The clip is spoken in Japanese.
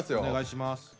お願いします。